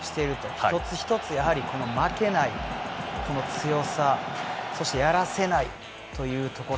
一つ一つやはり負けない強さそしてやらせないというところ。